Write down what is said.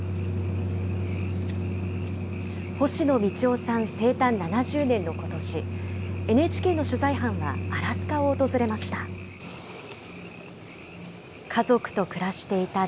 星野道夫さん生誕７０年のことし、ＮＨＫの取材班はアラスカを訪れました。